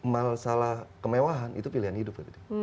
masalah kemewahan itu pilihan hidup